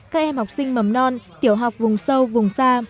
các em học sinh mầm non tiểu học vùng sâu vùng xa